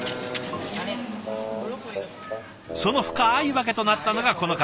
その深い訳となったのがこの方。